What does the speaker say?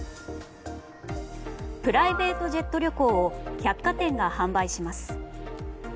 プライベートジェット旅行を百貨店が販売します。